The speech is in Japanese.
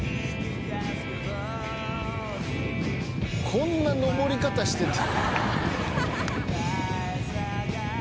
「こんな登り方してて」